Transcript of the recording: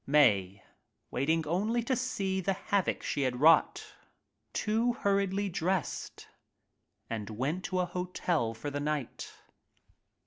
Mae, waiting only to see the havoc she had wrought, too hurriedly dressed and went to a hotel for the night.